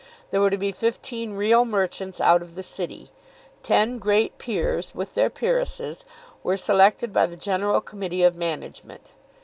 There were to be fifteen real merchants out of the city. Ten great peers, with their peeresses, were selected by the general committee of management.